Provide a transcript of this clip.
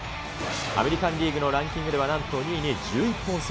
アメリカン・リーグのランキングではなんと２位に１１本差。